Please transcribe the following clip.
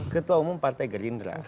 ketua umum partai gerindra